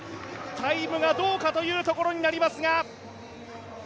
タイムがどうかというところになりますが。